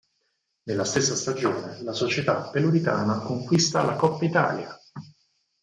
Nella stessa stagione, la società peloritana conquista la Coppa Italia.